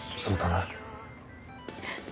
そうだな。